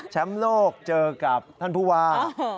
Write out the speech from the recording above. แชมป์โลกเจอกับท่านผู้ว่า